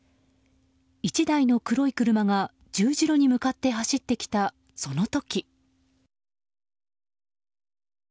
１台の黒い車が十字路に向かって走ってきたその時。